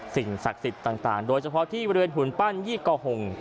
สิ่งศักดิ์สิทธิ์ต่างโดยเฉพาะที่บริเวณหุ่นปั้นยี่ก่อหง